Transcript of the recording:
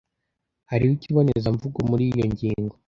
Hariho ikibonezamvugo muri iyo ngingo.